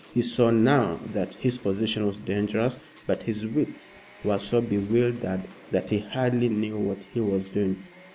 He saw now that his position was dangerous, but his wits were so bewildered that he hardly knew what he was doing.